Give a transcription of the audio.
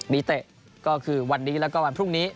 มีเตะก็คือวันนี้แล้วก็วันพรุ่งนี้